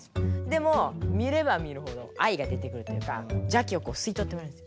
でも見れば見るほど愛が出てくるというか邪気をすいとってもらえる。